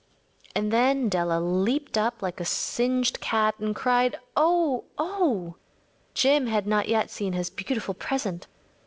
‚ÄĚ And then Della leaped up like a little singed cat and cried, “Oh, oh!‚ÄĚ Jim had not yet seen his beautiful present.